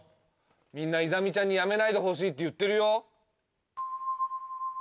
みんなイザミちゃんにやめないでほしいって言ってるよ。